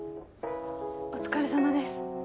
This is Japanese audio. お疲れさまです。